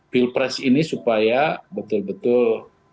pilpres ini supaya betul betul